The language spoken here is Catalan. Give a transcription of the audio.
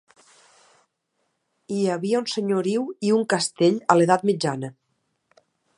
Hi havia un senyoriu i un castell a l'edat mitjana.